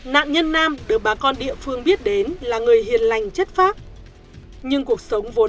nạn nhân nam được bà con địa phương biết đến là người hiền lành chất phát nhưng cuộc sống vốn